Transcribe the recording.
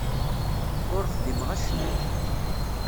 Ur xdimeɣ acemma.